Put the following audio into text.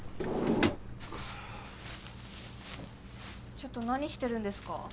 ちょっと何してるんですか？